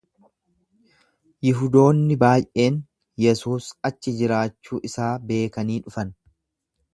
Yihudoonni baay’een Yesuus achi jiraachuu isaa beekanii dhufan.